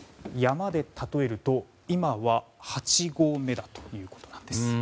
山で例えると、今は８合目だということなんです。